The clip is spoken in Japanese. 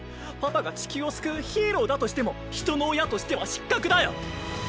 パパが地球を救うヒーローだとしても人の親としては失格だよ！